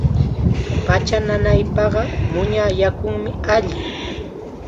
Pacha nanaypaqqa muña yakum alli.